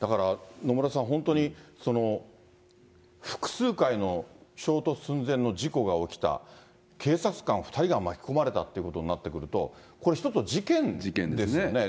だから野村さん、本当に複数回の衝突寸前の事故が起きた、警察官２人が巻き込まれたってことになってくると、これ、一つの事件ですよね。